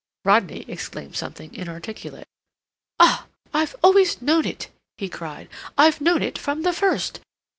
Rodney exclaimed something inarticulate. "Ah, I've always known it," he cried, "I've known it from the first.